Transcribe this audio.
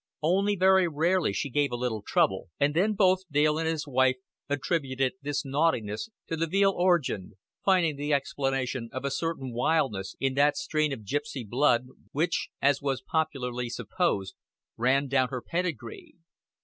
Only very rarely she gave a little trouble, and then both Dale and his wife attributed this naughtiness to the Veale origin, finding the explanation of a certain wildness in that strain of gipsy blood which, as was popularly supposed, ran down her pedigree.